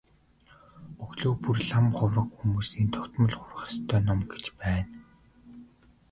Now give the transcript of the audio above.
Өглөө бүр лам хувраг хүмүүсийн тогтмол хурах ёстой ном гэж байна.